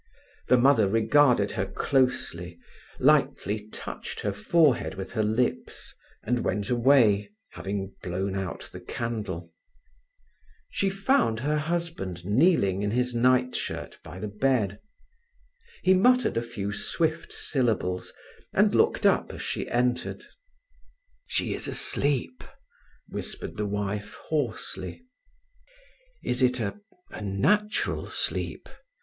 The mother regarded her closely, lightly touched her forehead with her lips, and went away, having blown out the candle. She found her husband kneeling in his nightshirt by the bed. He muttered a few swift syllables, and looked up as she entered. "She is asleep," whispered the wife hoarsely. "Is it a—a natural sleep?"